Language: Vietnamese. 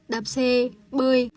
đạp xe bơi